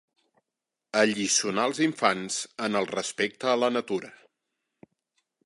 Alliçonar els infants en el respecte a la natura.